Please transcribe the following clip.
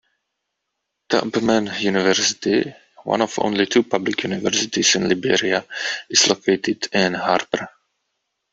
Tubman University, one of only two public universities in Liberia, is located in Harper.